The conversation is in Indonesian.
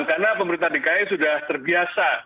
karena pemerintah di ki sudah terbiasa